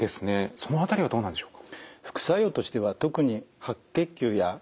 その辺りはどうなんでしょうか？